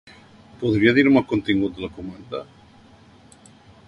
Podria dir-me el contingut de la comanda?